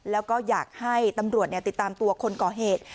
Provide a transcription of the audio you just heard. แล้วก็อยากให้ตำรวจติดตามตัวคนก่อเหตุ